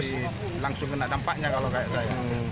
jadi langsung kena dampaknya kalau kayak saya